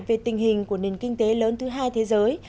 về tình hình của nền kinh tế lớn thứ hai thế giới